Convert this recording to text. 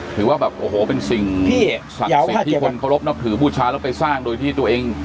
ถือว่าแบบโอ้โหเป็นสิ่งศักดิ์สิทธิ์ที่คนเคารพนับถือบูชาแล้วไปสร้างโดยที่ตัวเอง